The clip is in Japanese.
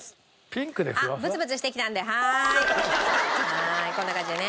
はーいこんな感じでね。